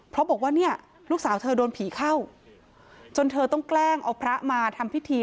เพราะบอกว่าเนี่ยลูกสาวเธอโดนผีเข้าจนเธอต้องแกล้งเอาพระมาทำพิธี